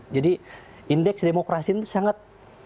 jadi indeks demokrasi ini sangat tergantung